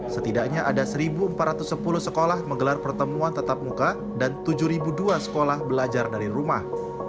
setidaknya ada satu empat ratus sepuluh sekolah menggelar pertemuan tetap muka dan tujuh dua sekolah belajar dari rumah